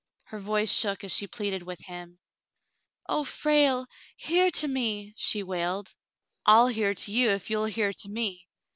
Her voice shook as she pleaded with him. *'0h, Frale ! Hear to me !" she wailed. "I'll hear to you, ef you'll hear to me.